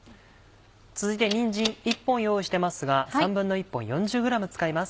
続いてにんじん１本用意してますが１／３本４０ｇ使います。